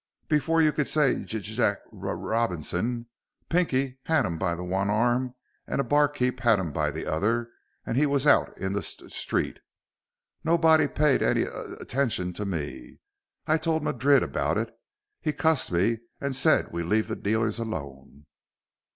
Before you could say J J Jack R R Robinson, Pinky had him by one arm and a barkeep had him by the other and he was out in the s street. Nobody paid any at t tention to me. I told Madrid about it. He cussed me and said we leave the dealers alone."